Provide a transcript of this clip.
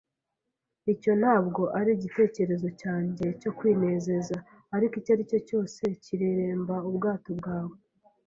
Icyo ntabwo ari igitekerezo cyanjye cyo kwinezeza, ariko icyaricyo cyose kireremba ubwato bwawe.